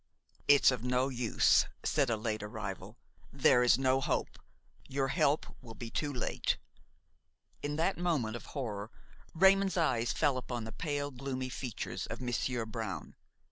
"It's of no use," said a late arrival. "There is no hope, your help will be too late." In that moment of horror, Raymon's eyes fell upon the pale, gloomy features of Monsieur Brown.